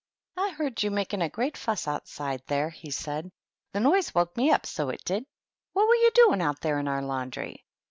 "I heard you making a great fuss outside there," he said. " The noise woke me up, so it did! What were you doing out there in our laundry